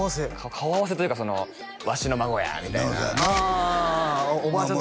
顔合わせというかわしの孫やみたいなああおばあちゃん